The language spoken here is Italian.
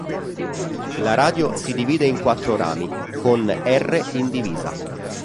La radio si divide in quattro rami, con R indivisa.